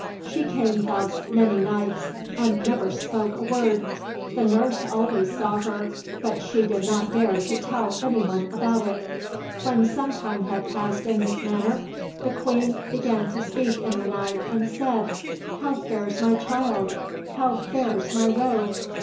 She came thus many nights and never spoke a word: the nurse always saw her, but she did not dare to tell anyone about it. When some time had passed in this manner, the Queen began to speak in the night, and said— "How fares my child, how fares my roe?